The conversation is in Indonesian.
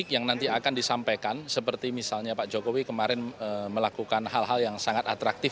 yang nanti akan disampaikan seperti misalnya pak jokowi kemarin melakukan hal hal yang sangat atraktif